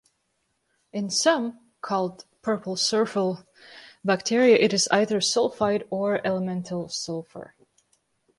In some, called purple sulfur bacteria, it is either sulfide or elemental sulfur.